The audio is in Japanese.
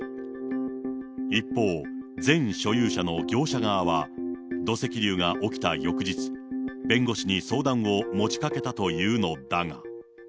一方、前所有者の業者側は、土石流が起きた翌日、弁護士に相談を持ちかけたというのだが。